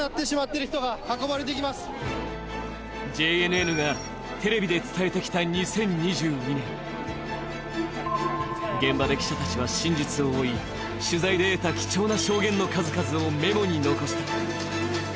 ＪＮＮがテレビで伝えてきた２０２２年現場で記者たちは真実を追い、取材で得た貴重な証言の数々をメモに残した。